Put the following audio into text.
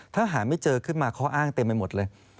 ถ้าหาไม่เจอขึ้นมาข้ออ้างเต็มไปหมดเลย